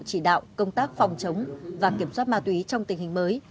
chỉ đạo công tác phòng chống và kiểm soát ma túy trong tình hình mới